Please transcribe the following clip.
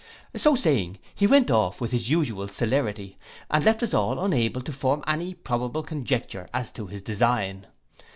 '—So saying he went off with his usual celerity, and left us all unable to form any probable conjecture as to his design.